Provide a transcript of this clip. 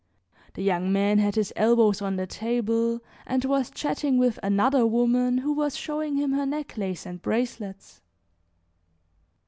The young man had his elbows on the table and was chatting with another woman who was showing him her necklace and bracelets.